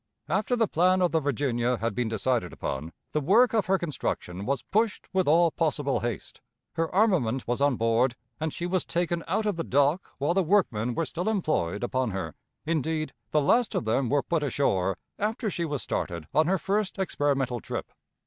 After the plan of the Virginia had been decided upon, the work of her construction was pushed with all possible haste. Her armament was on board, and she was taken out of the dock while the workmen were still employed upon her indeed, the last of them were put ashore after she was started on her first experimental trip.